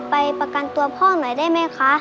ประกันตัวพ่อหน่อยได้ไหมคะ